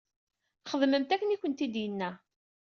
Xedmemt akken i kent-d-yenna.